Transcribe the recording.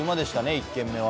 １軒目は。